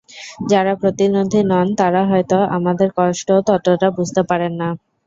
যারা প্রতিবন্ধী নন, তারা হয়তো আমাদের কষ্ট ততটা বুঝতে পারেন না।